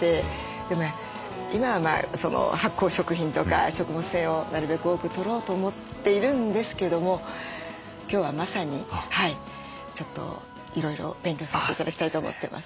でも今は発酵食品とか食物繊維をなるべく多くとろうと思っているんですけども今日はまさにちょっといろいろ勉強させて頂きたいと思ってます。